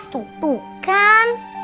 tegas tuh tuh kan